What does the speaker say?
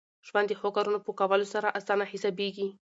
ژوند د ښو کارونو په کولو سره اسانه حسابېږي.